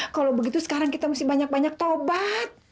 kalau begitu sekarang kita harus banyak banyak tobat